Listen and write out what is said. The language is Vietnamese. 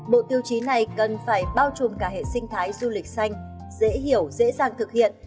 bộ tiêu chí này cần phải bao trùm cả hệ sinh thái du lịch xanh dễ hiểu dễ dàng thực hiện